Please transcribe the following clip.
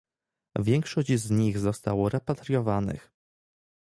Większość z nich zostało repatriowanych